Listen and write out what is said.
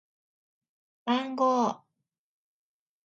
番号